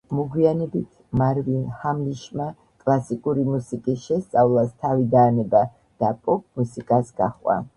მოგვიანებით, მარვინ ჰამლიშმა კლასიკური მუსიკის შესწავლას თავი დაანება და პოპ მუსიკას გაჰყვა.